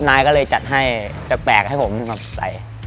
นายก็เลยจัดให้แปลกให้ผมมาใส่